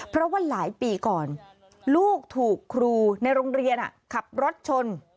เพราะว่าหลายปีก่อนลูกถูกครูในโรงเรียนขับรถชน